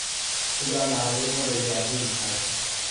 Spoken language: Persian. او در محلهی ما ولگردی میکرد.